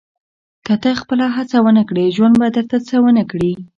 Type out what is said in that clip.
• که ته خپله هڅه ونه کړې، ژوند به درته څه ونه کړي.